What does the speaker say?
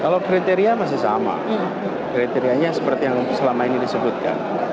kalau kriteria masih sama kriterianya seperti yang selama ini disebutkan